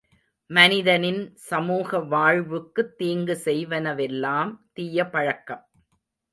மனிதனின் சமூக வாழ்வுக்குத் தீங்கு செய்வனவெல்லாம் தீய பழக்கம்.